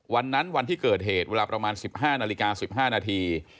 วันที่เกิดเหตุเวลาประมาณ๑๕นาฬิกา๑๕นาที